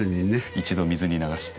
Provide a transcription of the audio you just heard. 一度水に流して。